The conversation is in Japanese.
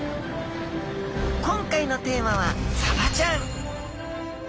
今回のテーマはサバちゃん！